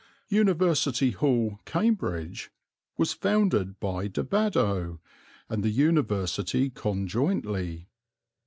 University Hall, Cambridge, was founded by de Badow and the University conjointly.